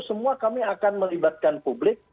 semua kami akan melibatkan publik